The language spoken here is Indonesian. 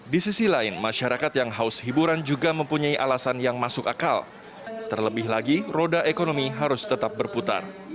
di sisi lain masyarakat yang haus hiburan juga mempunyai alasan yang masuk akal terlebih lagi roda ekonomi harus tetap berputar